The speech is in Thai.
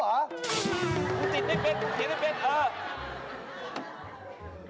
กูติดได้เป็นผมเขียนได้เป็นโอ๊ย